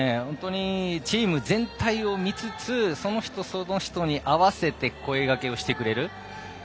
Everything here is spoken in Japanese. チーム全体を見つつその人その人に合わせて声かけをしてくれる。